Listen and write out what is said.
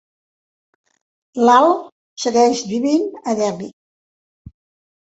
Lal segueix vivint a Delhi.